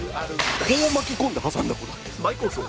こう巻き込んで挟んでくる。